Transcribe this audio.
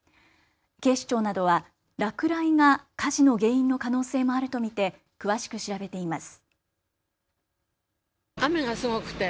警視庁などは落雷が火事の原因のの可能性もあると見て詳しく調べています。